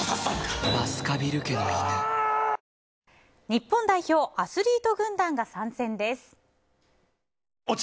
日本代表アスリート軍団が参戦です。